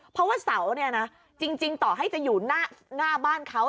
เพราะว่าเสาเนี่ยนะจริงต่อให้จะอยู่หน้าบ้านเขา